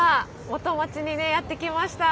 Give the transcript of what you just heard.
元町にねやって来ました。